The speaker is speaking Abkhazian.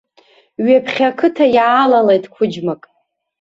Ҩаԥхьа ақыҭа иаалалеит қәыџьмак!